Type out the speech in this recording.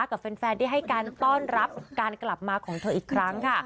กับแฟนได้ให้การต้อนรับการกลับมาของเธออีกครั้งค่ะ